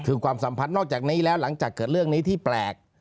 คือความสัมพันธ์นอกจากนี้แล้วหลังจากเกิดเรื่องนี้ที่แปลก